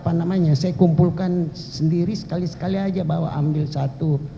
apa namanya saya kumpulkan sendiri sekali sekali saja bawa ambil satu